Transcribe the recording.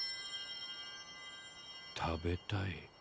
食べたい。